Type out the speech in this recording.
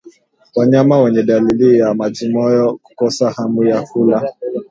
Wanyama wenye dalili za majimoyo hukosa hamu ya kula